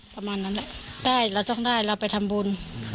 ประมาณนั้นแหละได้เราต้องได้เราไปทำบุญ